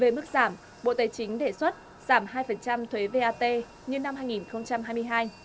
về mức giảm bộ tài chính đề xuất giảm hai thuế vat như năm hai nghìn hai mươi hai